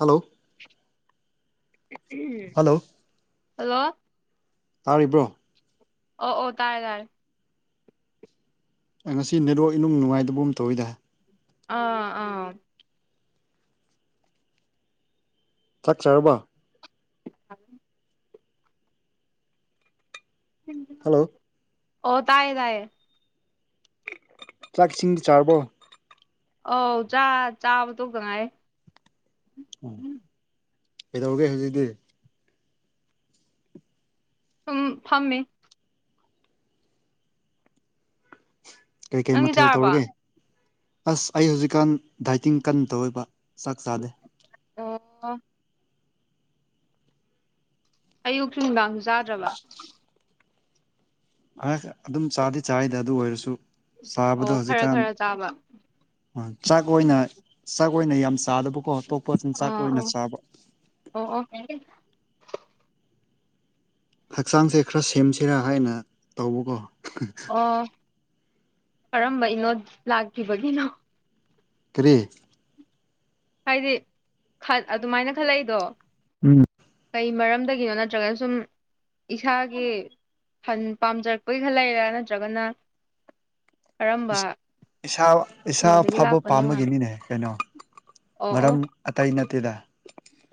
hello hello hello ꯇꯥꯔꯤꯕ꯭ꯔꯣ ꯑꯣ ꯑꯣ ꯇꯥꯔꯦ ꯇꯥꯔꯦ ꯑꯩ ꯉꯁꯤ ꯅꯦꯠꯋꯥꯛ ꯏꯅꯨꯡ ꯅꯨꯡꯉꯥꯏꯇꯕ ꯑꯃ ꯇꯧꯋꯤꯗ ꯑꯥ ꯑꯥ ꯆꯥꯛ ꯆꯥꯔꯕ ꯍꯜꯂꯣ ꯑꯣ ꯇꯥꯏꯌꯦ ꯇꯥꯏꯌꯦ ꯆꯥꯛ ꯏꯁꯤꯡꯗꯤ ꯆꯥꯔꯕꯣ ꯑ ꯆꯥ ꯆꯥꯕ ꯇꯣꯛꯇ ꯉꯥꯏꯔꯤ ꯎꯝ ꯀꯩꯗꯧꯔꯒꯦ ꯍꯧꯖꯤꯛꯇꯤ ꯁꯨꯝ ꯐꯝꯃꯤ ꯀꯩ ꯀꯩ ꯅꯪꯗꯤ ꯃꯊꯦꯜ ꯆꯥꯔꯕꯣ ꯇꯧꯔꯒꯦ ꯑꯁ ꯑꯩ ꯍꯧꯖꯤꯛꯀꯥꯟ ꯗꯥꯏꯇꯤꯡ ꯀꯟ ꯇꯧꯑꯕ ꯆꯥꯛ ꯆꯥꯗꯦ ꯑꯣ ꯑꯌꯨꯛꯁꯨ ꯅꯨꯡꯗꯥꯡꯁꯨ ꯆꯥꯗ꯭ꯔꯕ ꯑꯗꯨꯝ ꯆꯥꯗꯤ ꯆꯥꯔꯤꯗ ꯑꯗꯨ ꯑꯣꯏꯔꯁꯨ ꯆꯥꯕꯗ ꯑꯣ ꯈꯔ ꯍꯧꯖꯤꯛꯀꯥꯟ ꯈꯔ ꯆꯥꯕ ꯆꯥꯛ ꯑꯣꯏꯅ ꯆꯥꯛ ꯑꯣꯏꯅ ꯌꯥꯝ ꯆꯥꯗꯕꯀꯣ ꯑꯇꯣꯞꯄ ꯆꯤꯟ ꯆꯥꯛ ꯑꯥ ꯑꯣꯏꯅ ꯑꯥ ꯆꯥꯕ ꯑꯣ ꯑꯣꯦ ꯍꯛꯆꯥꯡꯁꯦ ꯈꯔ ꯁꯦꯝꯁꯤꯔꯥ ꯍꯥꯏꯅ ꯇꯧꯕꯀꯣ ꯑꯣ ꯀꯔꯝꯕꯩꯅꯣ ꯂꯥꯛꯈꯤꯕꯒꯤꯅꯣ ꯀꯔꯤ ꯍꯥꯏꯗꯤ ꯑꯗꯨꯃꯥꯏꯅ ꯈꯜꯂꯛꯏꯗꯣ ꯎꯝ ꯀꯩ ꯃꯔꯝꯗꯒꯤꯅꯣ ꯅꯠꯇ꯭ꯔꯒꯅ ꯁꯨꯝ ꯏꯁꯥꯒꯤ ꯐꯟ ꯄꯥꯝꯖꯔꯛꯄꯩ ꯈꯜꯂꯛꯏꯔ ꯅꯠꯇ꯭ꯔꯒꯅ ꯀꯔꯝꯕ ꯏꯁꯥ ꯏꯁꯥ ꯃꯤꯗꯒꯤ ꯐꯕ ꯂꯥꯛꯄꯅꯣ ꯍꯥꯏꯕ ꯄꯥꯝꯕꯒꯤꯅꯤꯅꯦ ꯀꯩꯅꯣ ꯑꯣ ꯑꯣ ꯃꯔꯝ ꯑꯇꯩ ꯅꯠꯇꯦꯗ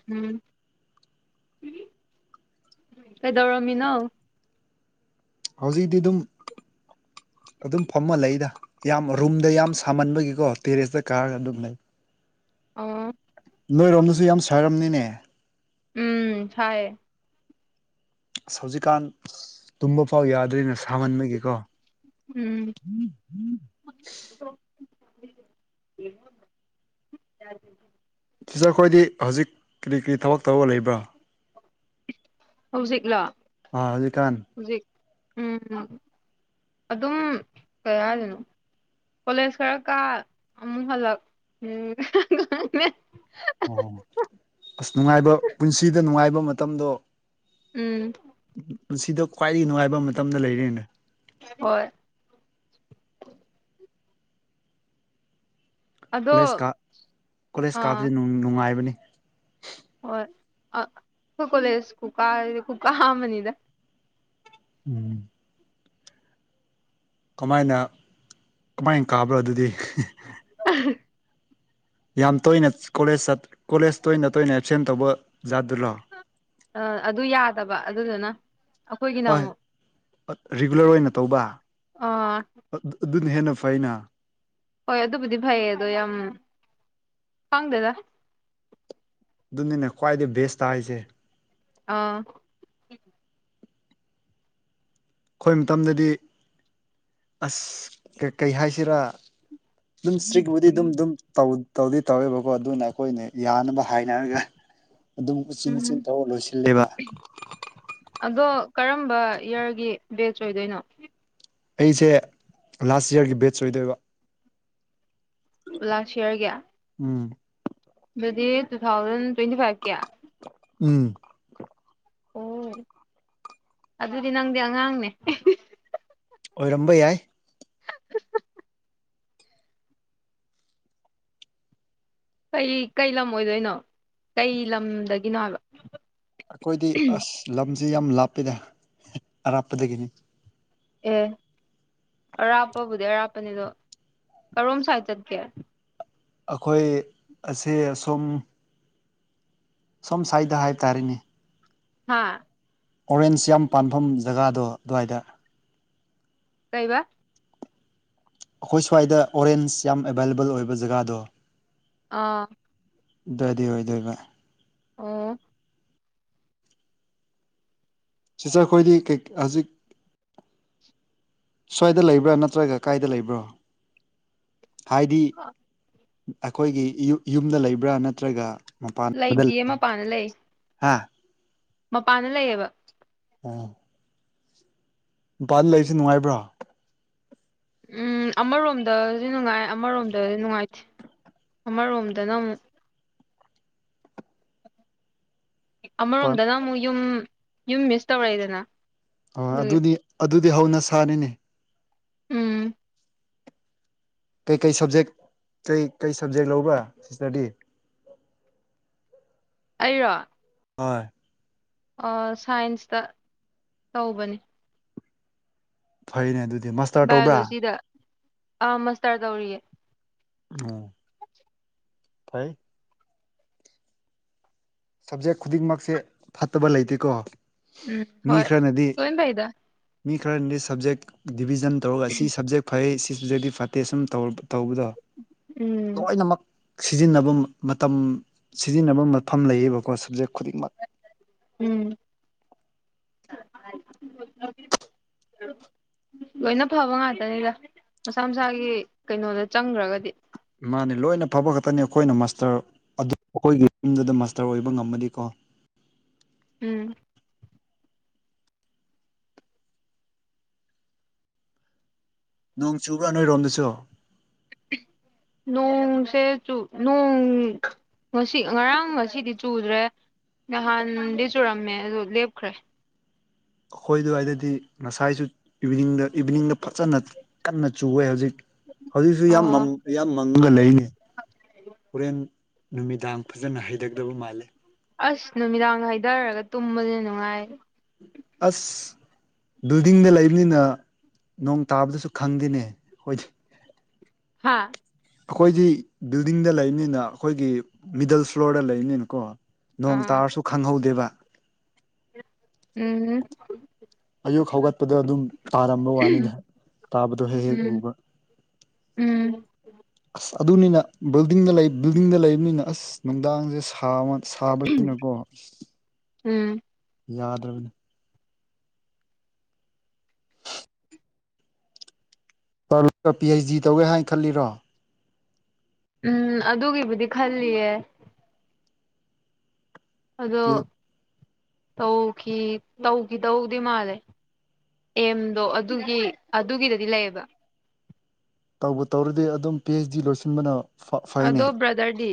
ꯎꯝ ꯀꯩꯗꯧꯔꯝꯃꯤꯅꯣ ꯍꯧꯖꯤꯛꯇꯤ ꯑꯗꯨꯝ ꯑꯗꯨꯝ ꯐꯝꯃ ꯂꯩꯗ ꯌꯥꯝ ꯔꯨꯝꯗ ꯌꯥꯝ ꯁꯥꯃꯟꯕꯒꯤꯀꯣ ꯇꯦꯔꯦꯁꯇ ꯀꯥꯔꯒ ꯑꯗꯨꯝ ꯂꯩ ꯑꯣ ꯅꯣꯏꯔꯣꯝꯗꯁꯨ ꯌꯥꯝ ꯁꯥꯔꯝꯅꯤꯅꯦ ꯎꯝ ꯁꯥꯌꯦ ꯑꯁ ꯍꯧꯖꯤꯛꯀꯥꯟ ꯇꯨꯝꯕ ꯐꯥꯎ ꯌꯥꯗꯔ꯭ꯦꯅꯦꯀꯣ ꯁꯥꯍꯟꯕꯒꯤꯀꯣ ꯎꯝ ꯁꯤꯁꯇꯔ ꯈꯣꯏꯗꯤ ꯍꯧꯖꯤꯛ ꯀꯔꯤ ꯀꯔꯤ ꯊꯕꯛ ꯇꯧꯔ ꯂꯩꯕ꯭ꯔꯥ ꯍꯧꯖꯤꯛꯂꯣ ꯑꯥ ꯍꯧꯖꯤꯛ ꯀꯥꯟ ꯍꯧꯖꯤꯛ ꯎꯝꯝ ꯑꯗꯨꯝ ꯀꯩ ꯍꯥꯏꯗꯣꯏꯅꯣ ꯀꯣꯂꯦꯖ ꯈꯔ ꯀ ꯑꯃꯨꯛ ꯍꯜꯂꯛ ꯎꯝ [unintelligible] ꯑꯣ ꯍꯣ ꯑꯁ ꯅꯨꯡꯉꯥꯏꯕ ꯄꯨꯟꯁꯤꯗ ꯅꯨꯡꯉꯥꯏꯕ ꯃꯇꯝꯗꯣ ꯎꯝ ꯄꯨꯟꯁꯤꯗ ꯈ꯭ꯋꯥꯏꯗꯒꯤ ꯅꯨꯡꯉꯥꯏꯕ ꯃꯇꯝꯗꯣ ꯂꯩꯔꯦꯅꯦ ꯍꯣꯏ ꯑꯗꯣ ꯀꯣꯂꯦꯖ ꯀꯥꯞ ꯀꯣꯂꯦꯖ ꯑꯥ ꯀꯥꯞꯕꯁꯦ ꯅꯨꯡꯉꯥꯏꯕꯅꯤ ꯍꯣꯏ ꯑꯩꯈꯣꯏ ꯀꯣꯂꯦꯖ ꯈꯨꯀꯥ ꯁꯤꯗꯤ ꯈꯨꯀꯥ ꯑꯃꯅꯤꯅꯤꯗ ꯎꯝ ꯀꯃꯥꯏꯅ ꯀꯃꯥꯏꯅ ꯀꯥꯕ꯭ꯔꯥ ꯑꯗꯨꯗꯤ [unintelligible] ꯌꯥꯝ ꯇꯣꯏꯅ ꯀꯣꯂꯦꯖ ꯆꯠ ꯀꯣꯂꯦꯖ ꯇꯣꯏꯅ ꯇꯣꯏꯅ ꯑꯦꯞꯁꯦꯟ ꯇꯧꯕ ꯖꯥꯠꯇꯨꯔꯣ ꯑ ꯑꯗꯨ ꯌꯥꯗꯕ ꯑꯗꯨꯗꯨꯅ ꯑꯩꯈꯣꯏꯒꯤꯅ ꯍꯣꯏ ꯑꯃꯨꯛ ꯔꯤꯒꯨꯂꯔ ꯑꯣꯏꯅ ꯇꯧꯕ ꯑꯥ ꯑꯗꯨꯅ ꯍꯦꯟꯅ ꯐꯩꯅ ꯍꯣꯏ ꯑꯗꯨꯕꯨꯗꯤ ꯐꯩ ꯑꯗꯣ ꯌꯥꯝ ꯈꯪꯗꯦꯗ ꯑꯗꯨꯅꯤꯅ ꯈ꯭ꯋꯥꯏꯗꯒꯤ ꯕꯦꯁꯇ ꯍꯥꯏꯁꯦ ꯑꯥ ꯑꯩꯈꯣꯏ ꯃꯇꯝꯗꯗꯤ ꯑꯁ ꯀꯩ ꯍꯥꯏꯁꯤꯔꯥ ꯑꯗꯨꯝ ꯏꯁꯇ꯭ꯔꯤꯛꯕꯨꯨꯗꯤ ꯑꯗꯨꯝꯝ ꯇꯧꯗꯤ ꯇꯧꯋꯦꯕꯀꯣ ꯑꯗꯨꯅ ꯑꯩꯈꯣꯏꯅ ꯌꯥꯅꯕ ꯍꯥꯏꯅꯔꯒ ꯑꯗꯨꯝꯆꯤꯟ ꯆꯤꯟ ꯎꯝ ꯊ ꯂꯣꯏꯁꯤꯜꯂꯦꯕ ꯑꯗꯣ ꯀꯔꯝꯕ ꯏꯌꯥꯔꯒꯤ ꯕꯦꯖ ꯑꯣꯏꯗꯣꯏꯅꯣ ꯑꯩꯁꯦ ꯂꯥꯁ ꯌꯥꯔꯒꯤ ꯕꯦꯠꯆ ꯑꯣꯏꯗꯣꯏꯕ ꯂꯥꯁ ꯏꯌꯥꯔꯒꯤ ꯎꯝ ꯑꯗꯨꯗꯤ ꯇꯨ ꯊꯥꯎꯖꯟ ꯇ꯭ꯋꯦꯟꯇꯤ ꯐꯥꯏꯚꯀꯤ ꯎꯝ ꯍꯣꯏ ꯑꯗꯨꯗꯤ ꯅꯪꯗꯤ ꯑꯉꯥꯡꯅꯦ ꯑꯣꯏꯔꯝꯕ ꯌꯥꯏ ꯀꯩ ꯀꯩ ꯂꯝ ꯑꯣꯏꯗꯣꯏꯅꯣ ꯀꯩ ꯂꯝꯗꯒꯤꯅꯣ ꯍꯥꯏꯕ ꯑꯩꯈꯣꯏꯗꯤ ꯑꯁ ꯂꯝꯁꯦ ꯌꯥꯝ ꯂꯥꯞꯄꯗ ꯑꯔꯥꯞꯄꯗꯒꯤꯅꯤ ꯑꯦ ꯑꯔꯥꯞꯄꯕꯨꯗꯤ ꯑꯔꯥꯞꯄꯅꯤ ꯑꯗꯣ ꯀꯔꯣꯝ ꯁ꯭ꯋꯥꯏꯗ ꯆꯠꯀꯦ ꯑꯩꯈꯣꯏ ꯑꯁꯦ ꯑꯁꯨꯝ ꯁꯣꯝ ꯁꯋꯥꯏꯗ ꯍꯥꯏꯇꯥꯔꯦꯅꯦ ꯍꯥꯥ ꯑꯣꯔꯦꯟꯖ ꯌꯥꯝ ꯄꯥꯟꯐꯝ ꯖꯒꯥꯗꯣ ꯑꯗꯨꯋꯥꯏꯗ ꯀꯩꯕ ꯑꯩꯈꯣꯏ ꯁ꯭ꯋꯥꯏꯗ ꯑꯣꯔꯦꯟꯁ ꯌꯥꯝ ꯑꯦꯕꯥꯏꯂꯦꯕꯜ ꯑꯣꯏꯕ ꯖꯒꯥꯗꯣ ꯑꯥ ꯑꯗꯨꯏꯗꯦ ꯑꯣꯏꯗꯣꯏ ꯚ ꯑꯣ ꯁꯤꯁꯇꯔ ꯍꯣꯏ ꯗꯤ ꯀꯩ ꯍꯧꯖꯤꯛ ꯁ꯭ꯋꯥꯏꯗ ꯂꯩꯕ꯭ꯔꯥ ꯅꯠꯇ꯭ꯔꯒ ꯀꯥꯏꯗ ꯂꯩꯕ꯭ꯔꯣ ꯍꯥꯏꯗꯤ ꯍꯥ ꯑꯩꯈꯣꯏꯒꯤ ꯌꯨꯝ ꯌꯨꯝꯗ ꯂꯩꯕ꯭ꯔꯥ ꯅꯠꯇ꯭ꯔꯒ ꯃꯄꯥꯟꯗ ꯂꯩ ꯂꯩꯇꯤꯌꯦ ꯃꯄꯥꯟꯗ ꯂꯩ ꯍꯥ ꯃꯄꯥꯟꯗ ꯂꯩꯌꯦꯕ ꯑꯝ ꯅꯨꯄꯥꯗ ꯂꯩꯔꯤꯁꯦ ꯅꯨꯡꯉꯥꯏꯕ꯭ꯔꯣ ꯎꯝ ꯑꯃꯔꯣꯝꯗꯁꯨ ꯅꯨꯡꯉꯥꯏ ꯑꯃꯔꯣꯝꯗꯁꯨ ꯅꯨꯡꯉꯥꯏꯇꯦ ꯑꯃꯔꯣꯝꯗꯅ ꯑꯃꯨꯛ ꯄꯥꯟ ꯑꯃꯔꯣꯝꯗꯅ ꯑꯃꯨꯛ ꯌꯨꯝ ꯌꯨꯝ ꯃꯤꯁ ꯇꯧꯔꯛꯏꯗꯅ ꯑ ꯑꯗꯨꯒꯤ ꯑꯗꯨꯅꯤ ꯑꯗꯨꯗꯤ ꯍꯧꯅꯁꯥꯅꯤꯅꯦ ꯎꯝ ꯀꯩꯀꯩ ꯁꯕꯖꯦꯛ ꯀꯩꯀꯩ ꯁꯞꯖꯦꯛ ꯂꯧꯕ ꯁꯤꯇꯗꯤ ꯑꯩꯔꯣ ꯍꯣꯏ ꯁꯥꯏꯟꯁꯇ ꯇꯧꯕꯅꯤ ꯐꯩꯅꯦ ꯑꯗꯨꯗꯤ ꯃꯁ ꯕꯥꯏꯑꯣꯂꯣꯖꯤꯗ ꯑ ꯃꯁꯇꯔ ꯇꯧꯔꯤꯌꯦ ꯑꯣ ꯐꯩ ꯁꯕꯖꯦꯛ ꯈꯨꯗꯤꯡꯃꯛꯁꯦ ꯐꯠꯇꯕ ꯂꯩꯇꯦꯀꯣ ꯎꯝ ꯃꯤ ꯍꯣꯏ ꯈꯔꯅꯗꯤ ꯂꯣꯏ ꯐꯩꯗ ꯃꯤ ꯈꯔꯅꯗꯤ ꯁꯕꯖꯦꯛ ꯗꯤꯕꯤꯖꯟ ꯇꯧꯔꯒ ꯁꯤ ꯁꯞꯖꯦꯛ ꯐꯩ ꯁꯤ ꯁꯞꯖꯦꯤ ꯐꯠꯇꯦ ꯁꯨꯝꯧ ꯇꯧꯕꯗꯣ ꯎꯝ ꯂꯣꯏꯅꯃꯛ ꯁꯤꯖꯤꯟꯅꯕ ꯃꯇꯝ ꯁꯤꯖꯤꯟꯅꯕ ꯃꯐꯝ ꯂꯩꯌꯦꯕꯀꯣ ꯁꯞꯖꯦꯛ ꯈꯨꯗꯤꯡꯃꯛ ꯎꯝ [inaudible] [unintelligible] ꯂꯣꯏꯅ ꯐꯕ ꯉꯥꯛꯇꯅꯤꯗ ꯃꯁꯥ ꯃꯁꯥꯒꯤ ꯀꯩꯅꯣꯗ ꯆꯪꯈ꯭ꯔꯒꯗꯤ ꯃꯥꯅꯦ ꯂꯣꯏꯅ ꯐꯕ ꯈꯛꯇꯅꯤ ꯑꯩꯈꯣꯏꯅ ꯃꯥꯁꯇꯔ ꯑꯗꯨ ꯑꯩꯈꯣꯏꯒꯤ ꯌꯨꯝꯗꯨꯗ ꯃꯥꯁꯇꯔ ꯑꯣꯏꯕ ꯉꯝꯃꯗꯤꯀꯣ ꯎꯝ ꯅꯣꯡ ꯆꯨꯕ꯭ꯔꯥ ꯅꯣꯏꯔꯣꯝꯗꯁꯨ ꯅꯣꯡꯁꯦꯆꯨ ꯅꯣꯡ ꯉꯁꯤ ꯉꯔꯥꯡ ꯉꯁꯤꯗꯤ ꯆꯨꯗ꯭ꯔꯦ ꯅꯍꯥꯟꯗꯤ ꯆꯨꯔꯝꯃꯦ ꯑꯗꯨ ꯂꯦꯞꯈ꯭ꯔꯦ ꯑꯩꯈꯣꯏ ꯑꯗꯨꯋꯥꯏꯗꯗꯤ ꯉꯁꯥꯏꯁꯨ ꯏꯚꯤꯅꯤꯡꯗ ꯏꯚꯤꯅꯤꯡꯗ ꯐꯖꯅ ꯀꯟꯅ ꯆꯨꯋꯦ ꯍꯧꯖꯤꯛ ꯍꯧꯖꯤꯛꯁꯨ ꯌꯥꯝ ꯃꯝ ꯑꯣ ꯌꯥꯝ ꯃꯪꯉꯒ ꯂꯩꯅꯤ ꯍꯣꯔꯦꯟ ꯅꯨꯃꯤꯗꯥꯡ ꯐꯖꯅ ꯍꯩꯗꯗꯕ ꯃꯥꯜꯂꯦ ꯑꯁ ꯅꯨꯃꯤꯗꯥꯡ ꯍꯥꯏꯊꯔꯒ ꯇꯨꯝꯕꯁ ꯅꯨꯡꯉꯥꯏꯔꯦ ꯑꯁ ꯕꯤꯜꯗꯤꯡꯗ ꯂꯩꯕꯅꯤꯅ ꯅꯣꯡ ꯇꯥꯕꯗꯁꯨ ꯈꯪꯗꯦꯅꯦ ꯈ‌ꯣꯏꯗꯤ ꯍꯥꯥ ꯑꯩꯈꯣꯏꯒꯤ ꯕꯤꯜꯗꯤꯡꯗ ꯂꯩꯕꯅꯤꯅ ꯑꯩꯈꯣꯏꯒꯤ ꯃꯤꯗꯜ ꯐ꯭ꯂꯣꯔꯗ ꯂꯩꯕꯅꯤꯅꯀꯣ ꯅꯣꯡ ꯑꯥ ꯇꯥꯔꯁꯨ ꯈꯪꯍꯧꯗꯦꯕ ꯎꯝ ꯑꯌꯨꯛ ꯍꯧꯒꯠꯄꯗ ꯑꯗꯨꯝ ꯇꯥꯔꯝꯕ ꯋꯥꯅꯤꯗ ꯇꯥꯕꯗꯣ ꯍꯦꯛ ꯍꯦꯛ ꯎꯝ ꯎꯨꯕ ꯎꯝ ꯑꯁ ꯑꯗꯨꯅꯤꯅ ꯕꯤꯜꯗꯤꯡꯗ ꯂꯩ ꯕꯤꯜꯗꯤꯡꯗ ꯂꯩꯕꯅꯤꯅ ꯑꯁ ꯅꯨꯡꯗꯥꯡꯁꯦ ꯁꯥꯃ ꯁꯥꯕꯁꯤꯅꯀꯣ ꯎꯝ ꯌꯥꯗ꯭ꯔꯕꯅꯤ ꯄꯥꯔꯂ ꯄꯤ ꯑꯩꯆ ꯗꯤ ꯇꯧꯒꯦ ꯍꯥꯏꯅ ꯈꯜꯂꯤꯔꯣ ꯎꯝ ꯑꯗꯨꯒꯤꯕꯨꯗꯤ ꯈꯜꯂꯤꯌꯦ ꯑꯗꯣ ꯇꯧꯈꯤ ꯇꯧꯈꯤ ꯇꯧꯗꯦ ꯃꯥꯜꯂꯦ ꯑꯦꯝꯗꯣ ꯑꯗꯨꯒꯤ ꯑꯗꯨꯒꯤꯗꯗꯤ ꯂꯩꯌꯦꯕ ꯇꯧꯕ ꯇꯧꯔꯗꯤ ꯑꯗꯨꯝ ꯄꯤ ꯑꯩꯆ ꯗꯤ ꯂꯣꯏꯁꯤꯟꯕꯅ ꯐꯩꯅꯦ ꯑꯗꯣ ꯕ꯭ꯔꯥꯗꯔꯗꯤ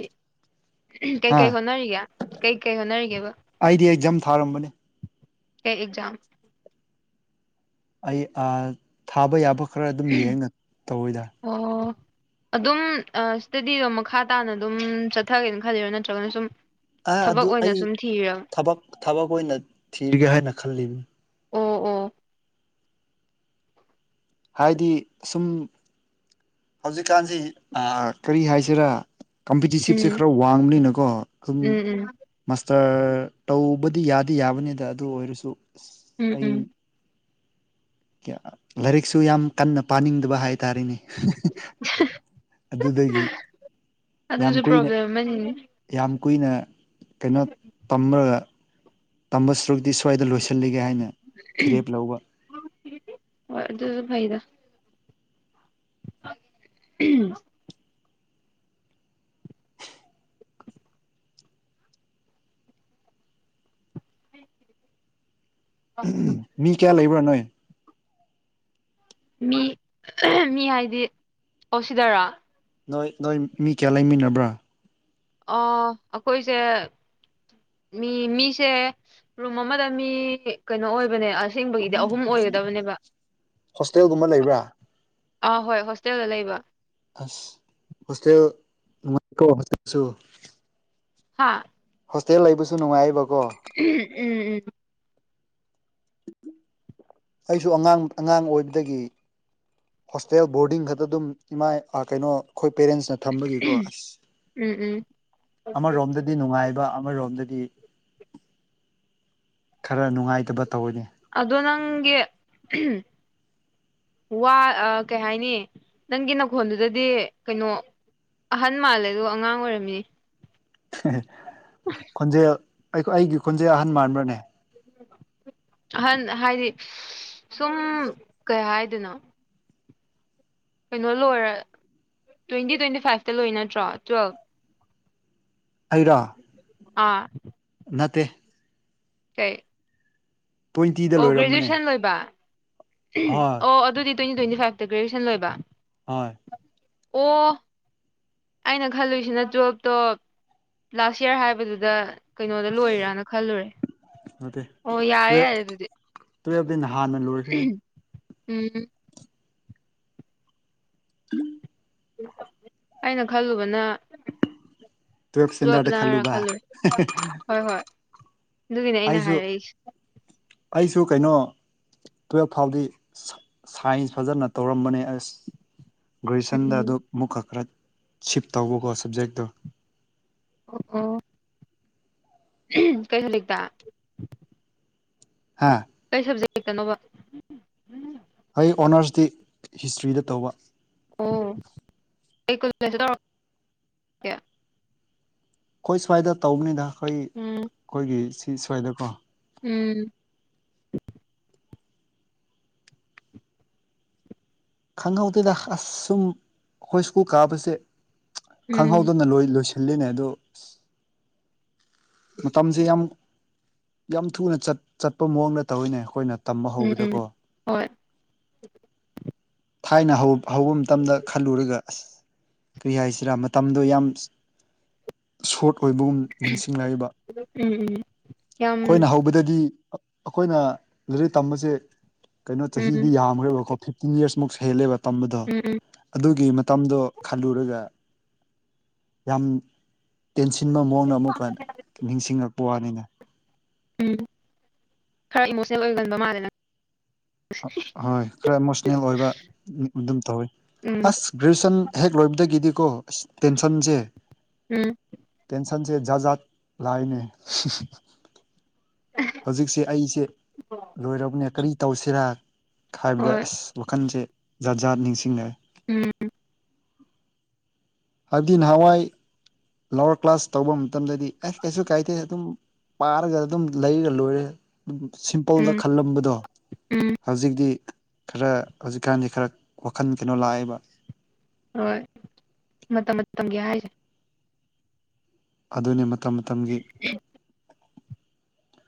ꯀꯩ ꯍꯥ ꯀꯩ ꯍꯣꯅꯔꯔꯤꯒ‌ꯦ ꯀꯩ ꯀꯩ ꯍꯣꯠꯅꯔꯤꯒꯦꯕ ꯑꯩꯗꯤ ꯑꯦꯛꯖꯥꯝ ꯊꯥꯔꯝꯕꯅꯤ ꯀ ꯑꯦꯛꯖꯥꯝ ꯑꯩ ꯊꯥꯕ ꯌꯥꯕ ꯈꯔ ꯑꯗꯨꯝ ꯌꯦꯡꯅ ꯇꯧꯋꯤꯗ ꯑꯣ ꯑꯗꯨꯝ ꯏꯁꯇꯗꯤꯗꯣ ꯃꯈꯥ ꯇꯥꯅ ꯑꯗꯨꯝ ꯆꯠꯊꯒꯦꯅ ꯈꯜꯂꯤꯔꯣ ꯅꯠꯇ꯭ꯔꯒꯅ ꯁꯨꯝ ꯑ ꯊꯕꯛ ꯑꯗꯨ ꯑꯣꯏꯅ ꯑꯩ ꯁꯨꯝ ꯊꯤꯔꯕ ꯊꯕꯛ ꯊꯕꯛ ꯑꯣꯏꯅ ꯊꯤꯔꯒꯦ ꯍꯥꯏꯅ ꯈꯜꯂꯤ ꯑꯣ ꯑꯣ ꯍꯥꯏꯗꯤ ꯁꯁꯨꯝ ꯍꯧꯖꯤꯛꯀꯥꯟꯁꯤ ꯀꯔꯤ ꯍꯥꯏꯁꯤꯔꯥ ꯀꯝꯄꯤꯇꯤꯁꯤꯤꯞꯁꯦ ꯎꯝ ꯈꯔ ꯋꯥꯡꯕꯅꯤꯅꯀꯣ ꯑꯗꯨꯝ ꯎꯝ ꯎꯝ ꯃꯥꯁꯇꯔ ꯇꯧꯕꯗꯤ ꯌꯥꯗꯤ ꯌꯥꯕꯅꯤꯗ ꯑꯗꯨ ꯑꯣꯏꯔꯁꯨ ꯎꯝ ꯑꯩ ꯎꯝ ꯂꯥꯏꯔꯤꯛꯁꯨ ꯌꯥꯝ ꯀꯟꯅ ꯄꯥꯅꯤꯡꯗꯕ ꯍꯥꯏ ꯇꯥꯔꯦꯅꯦ ꯑꯗꯨꯗꯒꯤ ꯌꯥꯝ ꯑꯗꯨꯁꯨ ꯀꯨꯏꯅ ꯄ꯭ꯔꯣꯕ꯭ꯂꯦꯝ ꯑꯃꯅꯤꯅꯤꯅꯦ ꯌꯥꯝ ꯀꯨꯏꯅ ꯀꯩꯅꯣ ꯇꯒ ꯇꯝꯕ ꯁꯔꯨꯛ ꯗꯤ ꯁ꯭ꯋꯥꯏꯗ ꯂꯣꯏꯁꯤꯜꯂꯤꯒꯦ ꯍꯥꯏꯅ ꯐꯤꯔꯦꯞ ꯂꯧꯕ ꯑꯗꯨ ꯑꯗꯨ ꯐꯩꯗ [unintelligible] ꯃꯤ ꯀꯌꯥ ꯂꯩꯕ꯭ꯔꯥ ꯅꯣꯏ ꯃꯤ ꯃꯤ ꯍꯥꯏꯗꯤ ꯑꯣꯁꯤꯗꯔꯥ ꯅꯣꯏ ꯅꯣꯏ ꯃꯤ ꯀꯌꯥ ꯂꯩꯃꯤꯟꯅꯕ꯭ꯔꯥ ꯑꯣ ꯑꯩꯈꯣꯏꯁꯦ ꯃꯤ ꯃꯤꯁꯦ ꯔꯨꯝ ꯑꯃꯗ ꯃꯤ ꯀꯩꯅꯣ ꯑꯣꯏꯕꯅꯦ ꯑꯁ ꯑꯁꯦꯡꯕꯒꯤꯗꯤ ꯑꯍꯨꯝ ꯑꯣꯏꯒꯗꯕꯅꯦꯕ ꯍꯣꯁꯇꯦꯜꯒꯨꯝꯕ ꯂꯩꯕ꯭ꯔꯥ ꯑꯥ ꯍꯣꯏ ꯍꯣꯁꯇꯦꯜꯗ ꯂꯩꯕ ꯑꯁ ꯍꯣꯁꯇꯦꯜ ꯍꯥꯥ ꯍꯣꯁꯇꯦꯜ ꯂꯩꯕꯁꯨ ꯅꯨꯡꯉꯥꯏꯕꯀꯣ ꯎꯝ ꯎꯝ ꯑꯩꯁꯨ ꯑꯉꯥꯡ ꯑꯉꯥꯡ ꯑꯣꯏꯕꯗꯒꯤ ꯍꯣꯁꯇꯦꯜ ꯕꯣꯔꯗꯤꯡ ꯈꯛꯇ ꯑꯗꯨꯝ ꯏꯃꯥꯏ ꯀꯩꯅꯣ ꯑꯩꯈꯣꯏ ꯄꯦꯔꯦꯟꯁ ꯅ ꯊꯝꯕꯒꯤꯀꯣ ꯑꯁ ꯎꯝ ꯎꯝ ꯑꯃꯔꯣꯝꯗꯗꯤ ꯅꯨꯡꯉꯥꯏꯕ ꯑꯃꯔꯣꯝꯗꯗꯤ ꯈꯔ ꯅꯨꯡꯉꯥꯏꯇꯕ ꯇꯧꯋ‌ꯦꯅꯦ ꯑꯗ‌ꯣ ꯅꯪꯒꯤ ꯋꯥ ꯀꯩ ꯍꯥꯏꯅꯤ ꯅꯪꯒꯤ ꯅꯥꯈꯣꯟꯜꯗꯨꯗꯗꯤ ꯀꯩꯅꯣ ꯑꯍꯟ ꯃꯥꯜꯂꯦ ꯑꯗꯨꯒ ꯑꯉꯥꯡ ꯑꯣꯏꯔꯝꯃꯤ ꯈꯣꯟꯖꯦꯜ ꯑꯩꯒꯤ ꯈꯣꯟꯖꯦꯜ ꯑꯍꯟ ꯃꯥꯟꯕ꯭ꯔꯅꯦ ꯑꯍꯟ ꯍꯥꯏꯗꯤ ꯁꯨꯝ ꯀꯩ ꯍꯥꯏꯗꯅꯣ ꯀꯩꯅꯣ ꯂꯣꯏꯔ ꯇ꯭ꯋꯦꯟꯇꯤ ꯇ꯭ꯋꯦꯟꯇꯤ ꯐꯥꯏꯚꯇ ꯂꯣꯏ ꯅꯠꯇ꯭ꯔꯣ ꯇꯨꯌꯦꯜꯞ ꯑꯩꯔꯥ ꯍ‌ꯣꯏ ꯅꯠꯇꯦ ꯀꯩ ꯇ꯭ꯋꯦꯟꯇꯤꯗ ꯑꯣ ꯂꯣꯏꯔꯝꯕꯅꯦ ꯒ꯭ꯔꯦꯖꯨꯑꯌꯦꯁꯟ ꯂꯣꯏꯕ ꯍꯣꯏ ꯑꯣ ꯑꯗꯨꯗꯤ ꯇ꯭ꯋꯦꯟꯇꯤ ꯇ꯭ꯋꯦꯟꯇꯤ ꯐꯥꯏꯚꯇꯥ ꯒ꯭ꯔꯦꯖꯨꯋꯌꯦꯁꯟ ꯂꯣꯏꯕ ꯍꯣꯏ ꯑꯣ ꯑꯩꯅ ꯈꯜꯂꯨꯏꯁꯤꯅ ꯇꯨꯌꯦꯜꯞꯇꯣꯞ ꯂꯥꯁ ꯌꯥꯔ ꯍꯥꯏꯕꯗꯨꯗ ꯀꯩꯅꯣꯗ ꯂꯣꯏꯔꯤꯔꯅ ꯈꯜꯂꯨꯔꯦ ꯑꯣ ꯌꯥꯔꯦ ꯌꯥꯔꯦ ꯑꯗꯨꯗꯤ ꯇꯨꯌꯦꯞꯗꯤ ꯅꯍꯥꯟꯅ ꯂꯣꯏꯈ꯭ꯔꯦ ꯎꯝ [inaudible] ꯑꯩꯅ ꯈꯜꯂꯨꯕꯅ ꯇꯨꯋꯦꯜꯞ ꯏꯁꯇꯦꯟꯗꯔꯗ ꯇꯨꯋꯜꯞꯂꯥꯔꯥ ꯈꯜꯂꯨꯕ ꯈꯜꯂꯨꯔꯦ ꯍꯣꯏ ꯍꯣꯏ ꯑꯗꯨꯒꯤꯅꯦ ꯑꯩꯅ ꯑꯩꯁꯨ ꯍꯥꯏꯔꯛꯏꯁꯦ ꯑꯩꯁꯨ ꯀꯩꯅꯣ ꯇꯨꯋꯦꯜꯐ ꯐꯥꯎꯗꯤ [inaudible] ꯁꯥꯏꯟꯁ ꯐꯖꯅ ꯇꯧꯔꯝꯕꯅꯦ ꯑꯁ ꯒ꯭ꯔꯦꯖꯨꯌꯦꯁꯟꯗ ꯎꯝ ꯑꯗꯨꯛ ꯃꯨꯛ ꯈꯛ ꯈꯔ ꯁꯤꯞ ꯇꯧꯕꯀꯣ ꯁꯞꯖꯦꯛꯇꯣ ꯑꯣ ꯑꯣ ꯎꯝ ꯀꯩ ꯁꯕꯖꯦꯛꯇꯥ ꯍꯥꯥ ꯀꯩ ꯁꯕꯖꯦꯛ ꯇꯥꯅꯣꯕ ꯑꯩ ꯑꯣꯅꯔꯁꯇꯤ ꯍꯤꯁꯇ꯭ꯔꯤꯗ ꯇꯧꯕ ꯑꯣ ꯀꯩ ꯀꯣꯂꯦꯖꯇꯥ ꯇꯧꯔꯛ ꯈꯣꯏ ꯁ꯭ꯋꯥꯏꯗ ꯇꯧꯕꯅꯤꯗ ꯑꯩꯈꯣꯏ ꯎꯝ ꯑꯩꯈꯣꯏꯒꯤ ꯁꯤ ꯁ꯭ꯋꯥꯏꯗꯀꯣ ꯎꯝ ꯈꯪꯍꯧꯗꯦꯗ ꯑꯁ ꯁꯨꯝ ꯑꯈꯣꯏ ꯁ꯭ꯀꯨꯜ ꯀꯥꯕꯁꯦ ꯎꯝ ꯈꯪꯍꯧꯗꯅ ꯂꯣꯏ ꯂꯣꯏꯁꯤ ꯂꯤꯅꯦ ꯑꯗꯣ ꯃꯇꯝꯁꯦ ꯌꯥꯝ ꯌꯥꯝ ꯊꯨꯅ ꯆꯠ ꯆꯠꯄ ꯃꯑꯣꯡꯗ ꯇꯧꯋꯤꯅꯦ ꯑꯈꯣꯏꯅ ꯇꯝꯕ ꯎꯝ ꯎꯝ ꯍꯧꯕꯗꯀꯣ ꯍꯣꯏ ꯊꯥꯏꯅ ꯍꯧ ꯍꯧꯕ ꯃꯇꯝꯗ ꯈꯜꯂꯨꯔꯒ ꯑꯁ ꯀꯔꯤ ꯍꯥꯏꯁꯤꯔꯥ ꯃꯇꯝꯗꯣ ꯌꯥꯝ ꯁꯣꯔꯠ ꯑꯣꯏꯕꯒꯨꯝ ꯅꯤꯡꯁꯤ ꯂꯩꯕ ꯎꯝ ꯎꯝ ꯌꯥꯝ ꯈꯣꯏꯅ ꯍꯧꯕꯗꯗꯤ ꯑꯈꯣꯏꯅ ꯂꯤꯔꯤꯛ ꯇꯝꯕꯁꯦ ꯀꯩꯅꯣ ꯎꯝ ꯆꯍꯤꯗꯤ ꯎꯝ ꯌꯥꯝꯒ꯭ꯔꯦꯕꯀꯣ ꯐꯤꯞꯇꯤꯟ ꯌꯥꯔꯁꯃꯨꯛ ꯁꯦꯜꯂꯦꯕ ꯇꯝꯕꯗ ꯎꯝ ꯑꯗꯨꯒꯤ ꯃꯇꯝꯗꯣ ꯈꯜꯂꯨꯔꯒ ꯌꯥꯝ ꯇꯦꯟꯁꯤꯟꯕ ꯃꯑꯣꯡꯅ ꯑꯃꯨꯛꯀꯥ ꯍꯟꯅ ꯅꯤꯡꯁꯤꯡꯉꯛꯄ ꯋꯥꯅꯤꯅꯦ ꯎꯝ ꯈꯔ ꯏꯃꯣꯁꯅꯦꯜ ꯑꯣꯏꯒꯟꯕ ꯃꯥꯜꯂꯦ ꯅꯪ ꯍꯣꯏ ꯈꯔ ꯏꯃꯣꯁꯅꯦꯜ ꯑꯣꯏꯕ ꯑꯗꯨꯝ ꯇꯧꯋꯤ ꯎꯝ ꯑꯁ ꯒ꯭ꯔꯦꯖꯨꯌꯦꯁꯟ ꯍꯦꯛ ꯂꯣꯏꯕꯗꯒꯤꯗꯤꯀꯣ ꯑꯁ ꯇꯦꯟꯁꯟꯁꯦ ꯎꯝ ꯇꯦꯟꯁꯟꯁꯦ ꯖꯥꯠ ꯖꯥꯠ ꯂꯥꯛꯏꯅꯦ ꯍꯧꯖꯤꯛꯁꯦ ꯑꯩꯁꯦ ꯂꯣꯏꯔꯕꯅꯦ ꯀꯔꯤ ꯇꯧꯁꯤꯔꯥ ꯈꯥꯏꯕꯗ ꯍꯣꯏ ꯑꯁ ꯋꯥꯈꯟꯁꯦ ꯖꯥꯠ ꯖꯥꯠ ꯅꯤꯡꯁꯤꯡꯅꯦ ꯎꯝ ꯍꯥꯏꯕꯗꯤ ꯅꯍꯥꯋꯥꯏ ꯂꯋꯔ ꯀ꯭ꯂꯥꯁ ꯇꯧꯕ ꯃꯇꯝꯗꯗꯤ ꯑꯁ ꯀꯩꯁꯨ ꯀꯥꯏꯗꯦ ꯑꯗꯨꯝ ꯄꯥꯔꯒ ꯑꯗꯨꯝ ꯂꯩꯔꯒ ꯂꯣꯏꯔꯦ ꯁꯤꯝꯄꯜꯗ ꯎꯝ ꯈꯜꯂꯝꯕꯗꯣ ꯎꯝ ꯍꯧꯖꯤꯛꯇꯤ ꯈꯔ ꯍꯧꯖꯤꯛꯀꯥꯟꯗꯤ ꯈꯔ ꯋꯥꯈꯜ ꯀꯩꯅꯣ ꯂꯥꯛꯑꯦꯕ ꯍꯣꯏ ꯃꯇꯝ ꯃꯇꯝꯒꯤ ꯍꯥꯏꯁꯦ ꯑꯗꯨꯅꯤ ꯃꯇꯝ ꯃꯇꯝꯒꯤ [unintelligible]